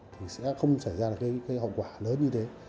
thì sẽ không xảy ra được cái hậu quả lớn như thế